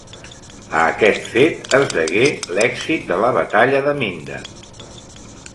A aquest fet es degué l'èxit de la Batalla de Minden.